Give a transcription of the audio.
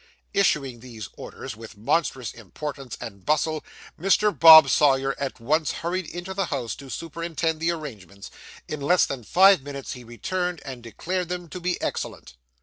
Issuing these orders with monstrous importance and bustle, Mr. Bob Sawyer at once hurried into the house to superintend the arrangements; in less than five minutes he returned and declared them to be excellent.